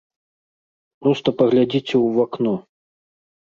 Проста паглядзіце ў вакно.